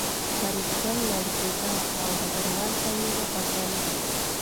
فریدګل لړزېده او ډګروال ته یې وکتل